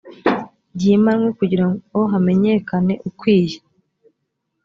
ryimanwe kugira ngo hamenyekane ukwiye